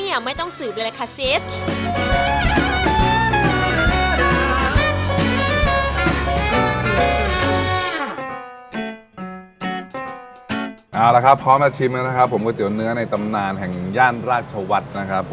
เอาละครับพร้อมมาชิมก๋วยเตี๋ยวเนื้อในตำนานแห่งย่านราชวัฏนะครับ